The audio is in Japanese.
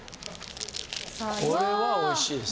これはおいしいです。